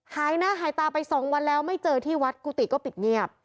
หายหน้าหายตาไป๒วันแล้วไม่เจอที่วัดกุฏิก็ปิดเงียบ